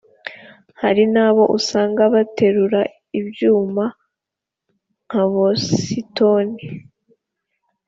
Hari nabo usanga baterura ibyuma nka bositoni